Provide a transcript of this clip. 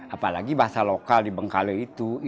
apalagi bahasa lokal di bengkale itu